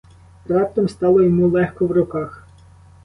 Раптом стало йому легко в руках.